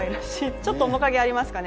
ちょっと面影ありますかね。